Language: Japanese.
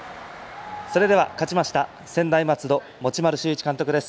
それでは勝ちました専大松戸の持丸修一監督です。